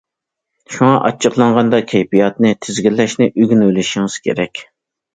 شۇڭا ئاچچىقلانغاندا كەيپىياتنى تىزگىنلەشنى ئۆگىنىۋېلىشىڭىز كېرەك.